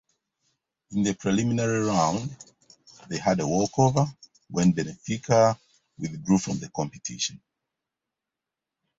In the Preliminary round they had a walkover, when Benfica withdrew from the competition.